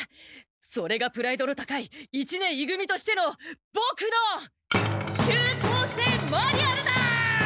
それがプライドの高い一年い組としてのボクの優等生マニュアルだ！